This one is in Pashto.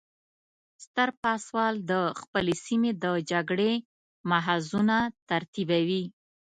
ستر پاسوال د خپلې سیمې د جګړې محاذونه ترتیبوي.